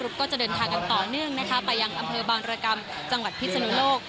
ก็จะเดินทางกันต่อเนื่องนะคะไปยังอำเภอบางรกรรมจังหวัดพิศนุโลก